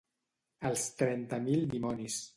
Els trenta mil dimonis.